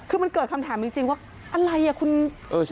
คือมันเกิดคำถามจริงจริงว่าอะไรอ่ะคุณเออใช่